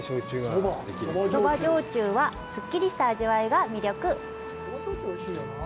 そば焼酎は、すっきりした味わいが魅力。